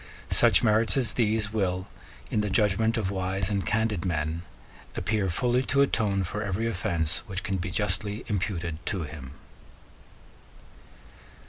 Such merits as these will, in the judgment of wise and candid men, appear fully to atone for every offence which can be justly imputed to him.